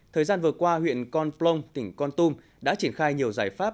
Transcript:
thời gian vừa qua huyện con plong tỉnh con tum đã triển khai nhiều giải pháp